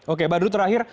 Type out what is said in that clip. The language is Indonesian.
oke baru terakhir